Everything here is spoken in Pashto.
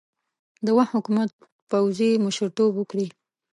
د وخت حکومت پوځي مشرتوب ورکړي.